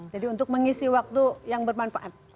jadi untuk mengisi waktu yang bermanfaat